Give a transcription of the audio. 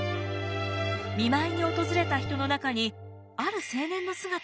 見舞いに訪れた人の中にある青年の姿が。